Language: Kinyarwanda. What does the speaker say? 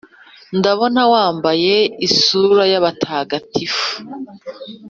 ndabona wambaye isura yabatagatifu,